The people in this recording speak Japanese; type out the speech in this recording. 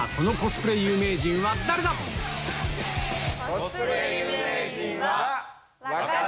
コスプレ有名人は。